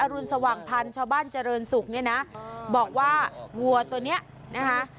รุนสว่างพันธ์ชาวบ้านเจริญศุกร์เนี่ยนะบอกว่าวัวตัวเนี้ยนะคะ